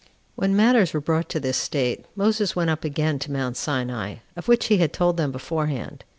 7. When matters were brought to this state, Moses went up again to Mount Sinai, of which he had told them beforehand.